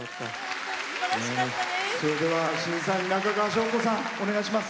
それでは、審査員中川翔子さんお願いします。